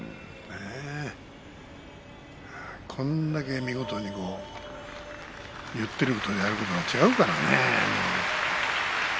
これだけ見事に言ってることとやってることが違うからね。